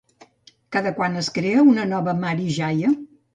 Cada quant es crea una nova Mari Jaia?